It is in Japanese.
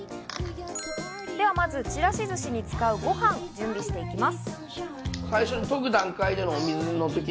では、まずちらし寿司に使うご飯を炊いていきます。